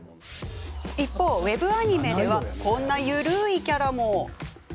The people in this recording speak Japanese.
一方、ウェブアニメではこんな緩いキャラも。